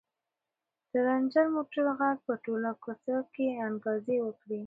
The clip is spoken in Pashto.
د رنجر موټر غږ په ټوله کوڅه کې انګازې وکړې.